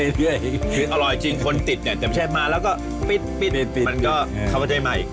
คืออร่อยจริงคนติดเนี่ยแต่ไม่ใช่มาแล้วก็ปิดปิดมันก็เข้ามาได้ใหม่